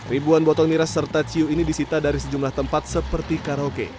ribuan botol miras serta ciu ini disita dari sejumlah tempat seperti karaoke